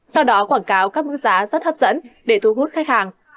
sau đó quảng cáo các mức giá rất hấp dẫn để thu hút khách hàng